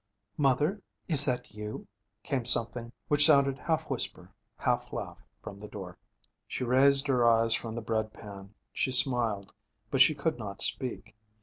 'Mother, is that you?' came something which sounded half whisper, half laugh from the door. She raised her eyes from the bread pan. She smiled. But she could not speak.